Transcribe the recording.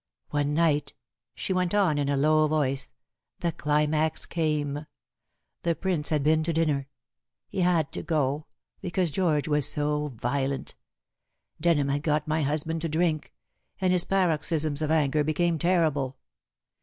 "One night," she went on in a low voice, "the climax came. The Prince had been to dinner. He had to go, because George was so violent. Denham had got my husband to drink, and his paroxysms of anger became terrible.